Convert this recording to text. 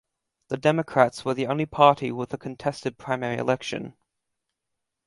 The Democrats were the only party with a contested primary election.